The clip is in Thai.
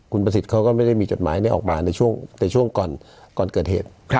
คุณประสิทธิ์เขาก็ไม่ได้มีจดหมายออกมาในช่วงก่อนเกิดเหตุ